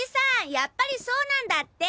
やっぱりそうなんだって！